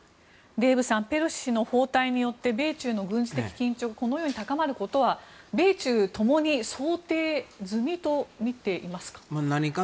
デーブさんペロシ氏の訪台によって米中の軍事的緊張がこのように高まることは米中ともに想定済みと見ていますか？